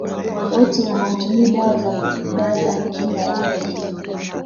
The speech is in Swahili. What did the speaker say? Wote wanaotumia dawa za kufubaza kinga ya mwili